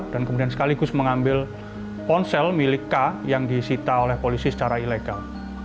dan kemudian sekaligus mengambil ponsel milik k yang disita oleh polisi secara ilegal